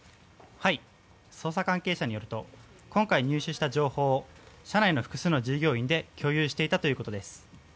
捜査関係者によると今回入手した情報を社内の複数の従業員で共有していたということです。